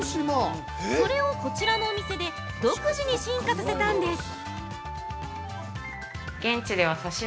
それを、こちらのお店で独自に進化させたんです！